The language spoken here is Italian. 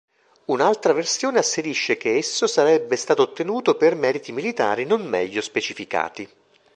Un'altra versione asserisce che esso sarebbe stato ottenuto per meriti militari non meglio specificati.